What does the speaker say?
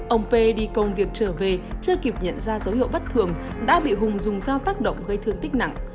ông p đi công việc trở về chưa kịp nhận ra dấu hiệu bất thường đã bị hùng dùng do tác động gây thương tích nặng